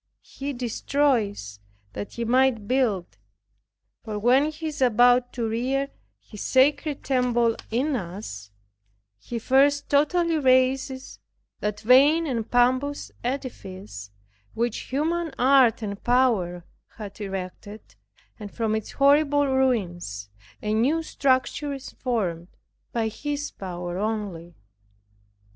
He destroys that he might build; for when He is about to rear His sacred temple in us, He first totally razes that vain and pompous edifice, which human art and power had erected, and from its horrible ruins a new structure is formed, by His power only.